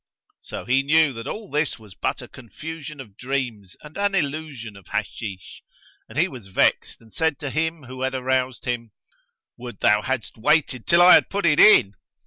So he knew that all this was but a confusion of dreams and an illusion of Hashish and he was vexed and said to him who had aroused him, "Would thou hadst waited till I had put it in!"